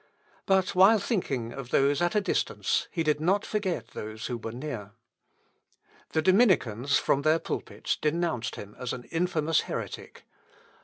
But while thinking of those at a distance, he did not forget those who were near. The dominicans from their pulpits denounced him as an infamous heretic.